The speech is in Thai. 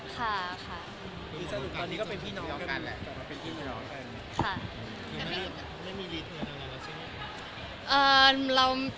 ห้องโตไหมคะห้องโตไหมคะ